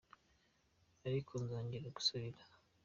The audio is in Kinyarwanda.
Ariko nzongera ngusubire